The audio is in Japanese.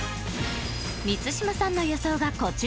満島さんの予想がこちら